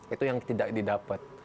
itu yang tidak didapet